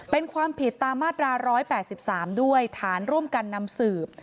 เป็นความผิดตามมาตรา๑๘๓ด้วยฐานร่วมกันนำสืบ